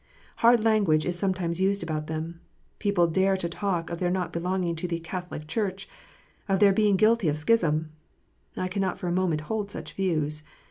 Hard language is sometimes used about them. People dare to talk of their not belonging to the " Catholic Church," and of their being guilty of schism ! I can not for a moment hold such views.